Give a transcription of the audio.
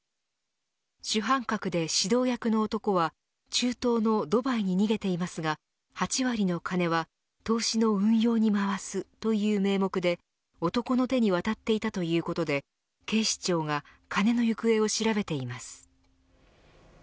主犯格で指導役の男は中東のドバイに逃げていますが８割の金は、投資の運用に回すという名目で男の手に渡っていたということで警視庁が金の行方を調べています。